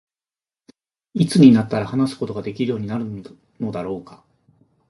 何時になったら話すことができるようになるのだろうか。